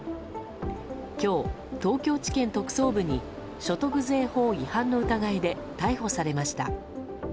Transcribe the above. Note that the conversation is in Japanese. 今日、東京地検特捜部に所得税法違反の疑いで逮捕されました。